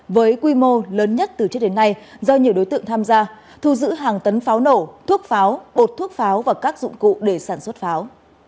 với quy mô lớn nhất từ trước đến nay do nhiều đối tượng tham gia thu giữ hàng tấn pháo nổ thuốc pháo bột thuốc pháo và các dụng cụ để sản xuất pháo